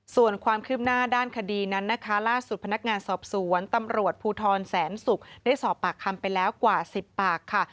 ส่วนความคืบหน้าด้านคดีนั้นนะคะล่าสุดพนักงานสอบสวนตำรวจภูทรแสนศุกร์ได้สอบปากคำไปแล้วกว่า๑๐ปากค่ะ